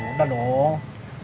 ya udah dong